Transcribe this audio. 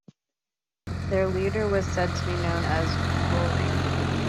Their leader was said to be known as "Roarie".